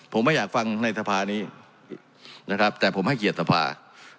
ผมไม่อยากฟังในสภานี้นะครับแต่ผมให้เกียรติสภา